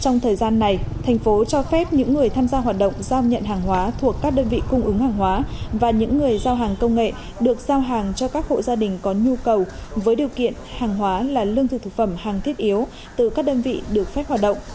trong thời gian này thành phố cho phép những người tham gia hoạt động giao nhận hàng hóa thuộc các đơn vị cung ứng hàng hóa và những người giao hàng công nghệ được giao hàng cho các hộ gia đình có nhu cầu với điều kiện hàng hóa là lương thực thực phẩm hàng thiết yếu từ các đơn vị được phép hoạt động